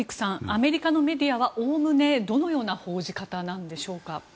アメリカのメディアはおおむねどのような報じ方なのでしょうか。